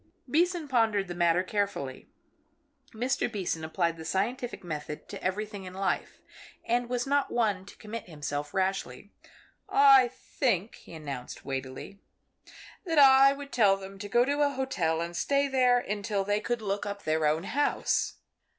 Beason pondered the matter carefully. Mr. Beason applied the scientific method to everything in life, and was not one to commit himself rashly. "I think," he announced, weightily, "that I would tell them to go to a hotel and stay there until they could look up their own house."